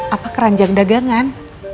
apa keranjang dagangan